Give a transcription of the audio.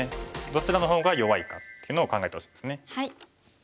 どちらの方が弱いかっていうのを考えてほしいですね。